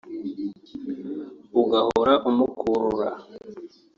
ugahora umukurura